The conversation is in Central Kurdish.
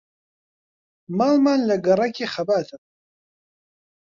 ماڵمان لە گەڕەکی خەباتە.